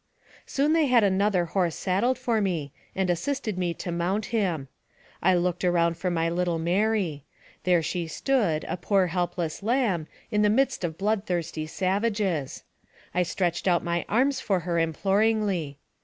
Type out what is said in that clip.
Soon they had another horse saddled for me, and assisted me to mount him. I looked around for my little Mary. There she stoood, a poor helpless lamb, in the midst of blood thirsty savages. I stretched out my arms for her imploringly.